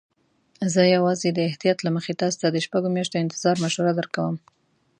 زه یوازې د احتیاط له مخې تاسي ته د شپږو میاشتو انتظار مشوره درکوم.